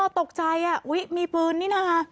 อ๋อตกใจอ่ะอุ๊ยมีปืนนี่นะคะ